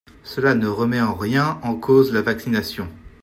Cela ne remet en rien en cause la vaccination.